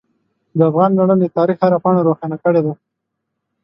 د افغان میړانه د تاریخ هره پاڼه روښانه کړې ده.